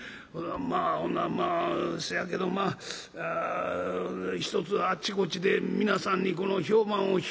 まあほなせやけどまあひとつあっちこっちで皆さんにこの評判を広めて頂く」。